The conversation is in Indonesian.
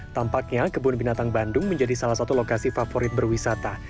tampaknya kebun binatang bandung menjadi salah satu lokasi favorit berwisata